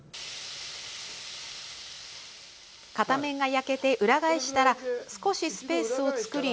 片面が焼けて裏返したら少しスペースを作り